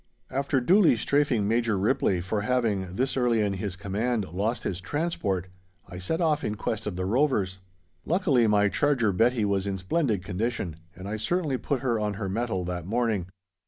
After duly strafing Major Ripley for having, this early in his command, lost his transport, I set off in quest of the rovers. Luckily my charger Betty was in splendid condition, and I certainly put her on her mettle that morning.